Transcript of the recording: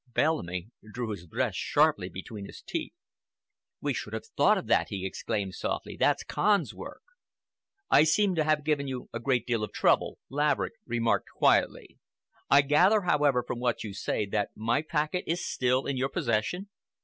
Bellamy drew his breath sharply between his teeth. "We should have thought of that!" he exclaimed softly. "That's Kahn's work!" "I seem to have given you a great deal of trouble," Laverick remarked quietly. "I gather, however, from what you say, that my packet is still in your possession?"